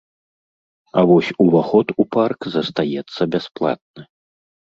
А вось уваход у парк застаецца бясплатны.